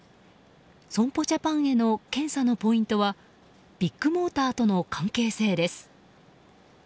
損保ジャパンへの検査のポイントはビッグモーターとの関係性です。